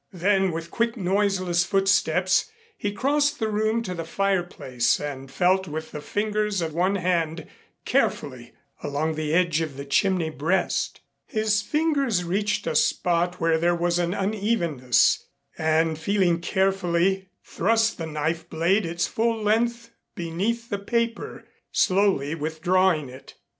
Then, with quick, noiseless footsteps, he crossed the room to the fireplace and felt with the fingers of one hand carefully along the edge of the chimney breast. His fingers reached a spot where there was an unevenness, and feeling carefully, thrust the knife blade its full length beneath the paper, slowly withdrawing it.